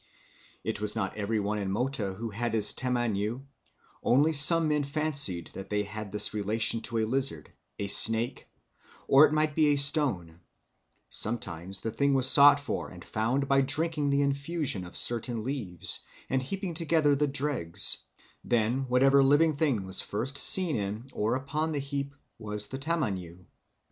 ... It was not every one in Mota who had his tamaniu; only some men fancied that they had this relation to a lizard, a snake, or it might be a stone; sometimes the thing was sought for and found by drinking the infusion of certain leaves and heaping together the dregs; then whatever living thing was first seen in or upon the heap was the _tamaniu.